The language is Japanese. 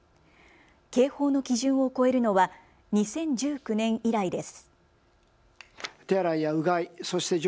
警報の基準を超えるのは２０１９年以来です。